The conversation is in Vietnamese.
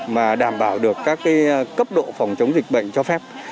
mà đảm bảo được các cấp độ phòng chống dịch bệnh cho phép